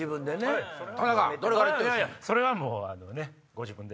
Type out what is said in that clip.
それはもうご自分で。